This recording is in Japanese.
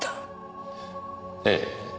ええ。